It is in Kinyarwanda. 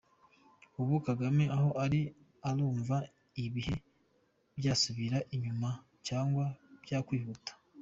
Ubu Kagame aho ari arumva ibihe byasubira inyuma cyngwa byakwihuta.